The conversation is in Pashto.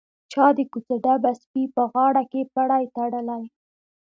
چا د کوڅه ډبه سپي په غاړه کښې پړى تړلى.